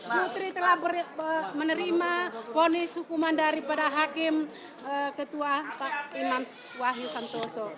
putri telah menerima ponis hukuman daripada hakim ketua pak imam wahyu santoso